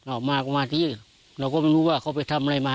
ออกมาก็มาที่เราก็ไม่รู้ว่าเขาไปทำอะไรมา